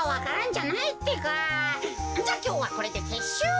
じゃきょうはこれでてっしゅう。